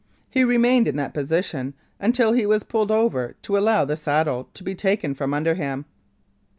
He remained in that position until he was pulled over to allow the saddle to be taken from under him.